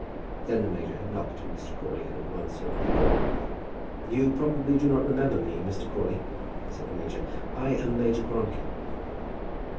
Then the major had knocked, and Mr. Crawley had at once opened the door. "You probably do not remember me, Mr. Crawley?" said the major. "I am Major Grantly."